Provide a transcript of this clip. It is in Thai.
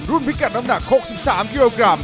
พิกัดน้ำหนัก๖๓กิโลกรัม